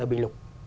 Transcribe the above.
ở bình lục